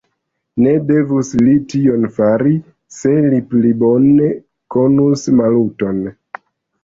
Ne devus li tion fari, se li pli bone konus Maluton!